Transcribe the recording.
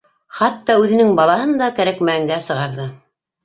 Хатта үҙенең балаһын да кәрәкмәгәнгә сығарҙы.